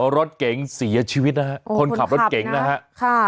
รถเก๋งเสียชีวิตนะฮะคนขับรถเก่งนะฮะค่ะ